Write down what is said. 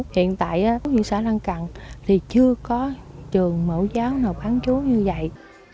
hiện tại huyện xã lăng cần thì chưa có trường mẫu giáo nào phán chúa như vậy